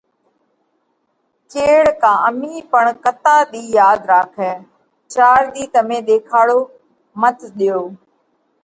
ڪيڙ ڪا امهين پڻ ڪتا ۮِي ياڌ راکئه؟ چار ۮِي تمي ۮيکاڙو مت ۮيو،